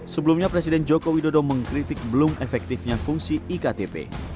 sebelumnya presiden joko widodo mengkritik belum efektifnya fungsi iktp